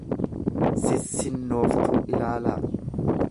sissinnooftuu ilaalaa.